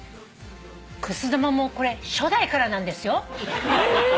くす玉もこれ初代からなんですよ。え！？